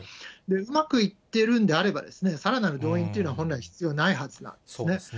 うまくいっているんであればですね、さらなる動員というのは本来必要ないはずなんですね。